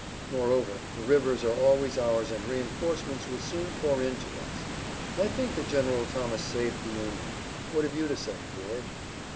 Moreover, the rivers are always ours and reinforcements will soon pour in to us. I think that General Thomas saved the Union. What have you to say, George?"